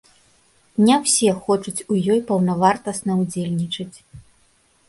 Не ўсе хочуць у ёй паўнавартасна ўдзельнічаць.